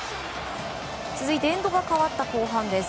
続いてエンドが変わった後半です。